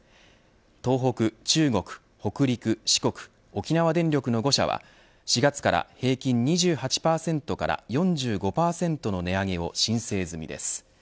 東北、中国、北陸、四国沖縄電力の５社は４月から平均２８％から４５％の値上げを申請済みです。